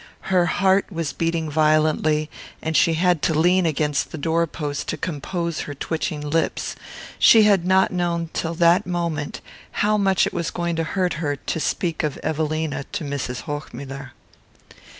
Her heart was beating violently, and she had to lean against the door post to compose her twitching lips: she had not known till that moment how much it was going to hurt her to speak of Evelina to Mrs. Hochmuller.